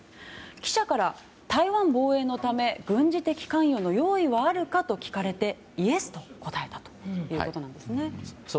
記者から台湾防衛のため軍事的関与の用意はあるかと聞かれて、イエスと答えたということなんですね。